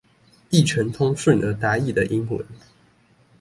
譯成通順而達意的英文